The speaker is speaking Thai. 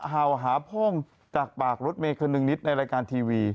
เห่าหาพ่องจากปากรถเมย์คนหนึ่งนิดในรายการทีวี